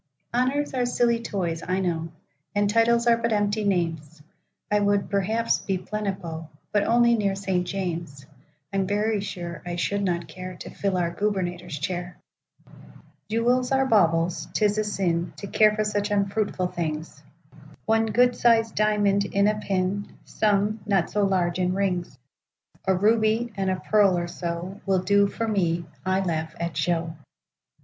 Honors are silly toys, I know, And titles are but empty names;I would, perhaps, be Plenipo,—But only near St. James; I'm very sure I should not careTo fill our Gubernator's chair. Jewels are baubles; 'tis a sinTo care for such unfruitful things;—One good sized diamond in a pin,—Some, not so large, in rings,—A ruby, and a pearl, or so, Will do for me;—I laugh at show.